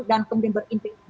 dan kemudian berindikasi